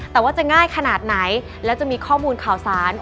แต่ว่าจะง่ายขนาดไหนและจะมีข้อมูลข่าวสาร